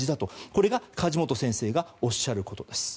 これが梶本先生がおっしゃることです。